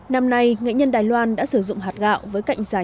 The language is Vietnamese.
năm nay nghệ nhân đài loan đã sử dụng hạt gạo với cạnh dài